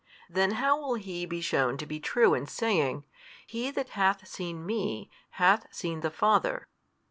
Then how will He be shewn to be true in saying, He that hath seen Me hath seen the Father?